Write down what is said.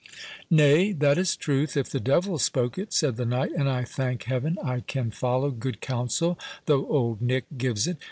"Nay, that is truth, if the devil spoke it," said the knight; "and I thank Heaven I can follow good counsel, though old Nick gives it.